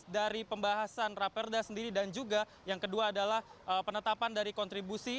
dari pembahasan raperda sendiri dan juga yang kedua adalah penetapan dari kontribusi